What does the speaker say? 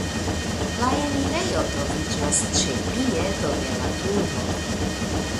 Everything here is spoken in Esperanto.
La enirejo troviĝas ĉe piedo de la turo.